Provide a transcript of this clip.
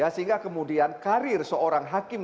sehingga kemudian karir seorang hakim